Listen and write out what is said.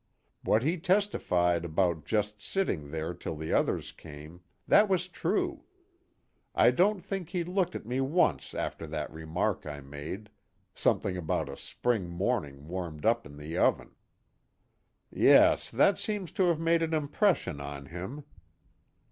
What he testified about just sitting there till the others came that was true. I don't think he looked at me once after that remark I made something about a spring morning warmed up in the oven." "Yes, that seems to have made an impression on him."